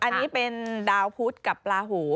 อันนี้เป็นดาวพุทธกับลาหู